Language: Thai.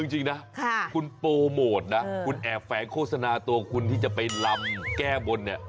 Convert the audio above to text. จริงนะคุณโปรโมทนะคุณแอบแฝงโฆษณาตัวคุณที่จะไปลำแก้บนเนี่ย